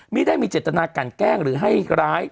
ไม่ได้มีเจตนากันแกล้งหรือให้ร้าย